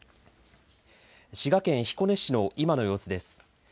滋賀県彦根市の今の様子です。